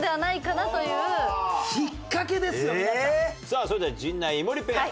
さあそれでは陣内・井森ペア。